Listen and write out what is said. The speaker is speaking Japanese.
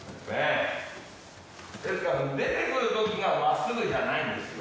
ですから出てくる時がまっすぐじゃないんですよ